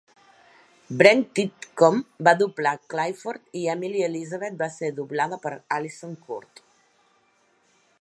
Brent Titcomb va doblar Clifford i Emily Elizabeth va ser doblada per Alyson Court.